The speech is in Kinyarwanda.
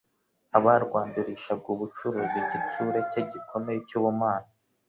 abarwandurishaga ubucuruzi igitsure ke gikomeye cy’ubumana